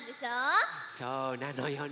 そうなのよね。